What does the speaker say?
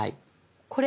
これ？